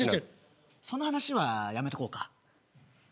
その話は、やめとこうか。